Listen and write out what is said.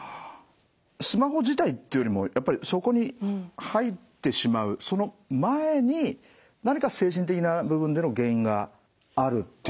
スマホ自体っていうよりもそこに入ってしまうその前に何か精神的な部分での原因があるっていう感じなんですかね？